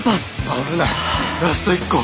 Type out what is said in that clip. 危ないラスト一個。